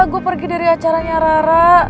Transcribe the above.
gue pergi dari acaranya rara